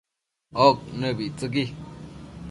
oc nëbictsëqui